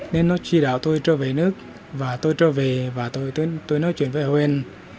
nên nó chỉ đạo tôi trở về nước và tôi trở về và tôi nói chuyện với hờ quên